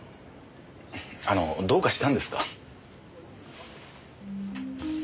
あのどうかしたんですか？